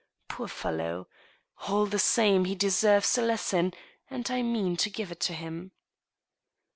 Poor fellow ! All the same, he deserves a lesson, and I mean to give it to him."